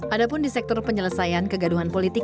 adapun di sektor penyelesaian kegaduhan politik